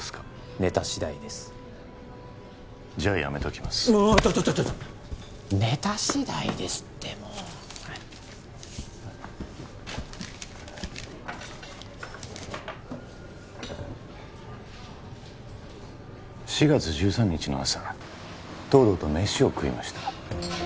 ネタしだいですじゃあやめときますちょちょちょちょネタしだいですってもう４月１３日の朝東堂と飯を食いました